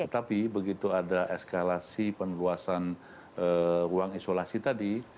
tetapi begitu ada eskalasi pengeluasan ruang isolasi tadi